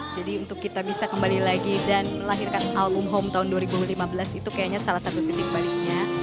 untuk kita bisa kembali lagi dan melahirkan album home tahun dua ribu lima belas itu kayaknya salah satu titik baliknya